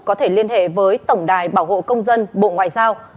có thể liên hệ với tổng đài bảo hộ công dân bộ ngoại giao